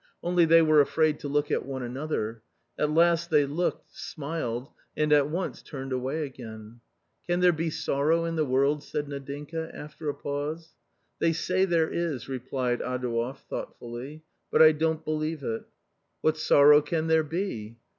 Only they were afraid to look at one another ; at last they looked, smiled, and at once turned away again. " Can there be sorrow in the world ?" said Nadinka, after a pause. "They say there is," replied Adouev, thoughtfully, "but I don't believe it." " What sorrow can there be